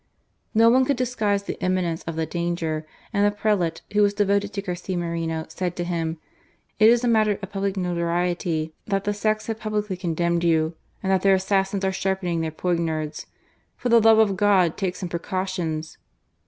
No one could disguise the imminence of the danger, and a prelate, who was devoted to Garcia Moreno, said to him; "It is a matter of public notoriety that the sects have publicly condemned you, and that their assassins are sharpening their poignards. For the love of God, take some pre cautions!